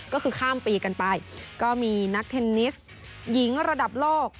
ก็คือข้ามปีกันไปก็มีนักเทนนิสหญิงระดับโลก